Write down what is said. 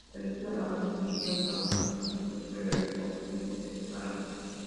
El resto de la banda siguieron trabajando juntos, pero al poco tiempo se separaron.